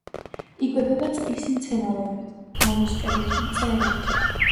იკვებება წყლის მცენარეებით, მოლუსკებით, მწერებით.